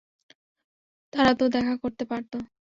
তারা তো দেখা করতে পারত।